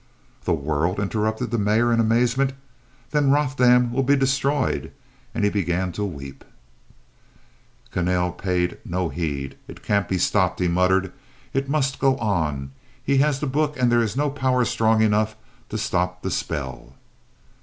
"The world!" interrupted the Mayor in amazement. "Then Rothdam will be destroyed," and he began to weep. Kahnale paid no heed. "It can't be stopped," he muttered. "It must go on. He has the book and there is no power strong enough to stop the spell."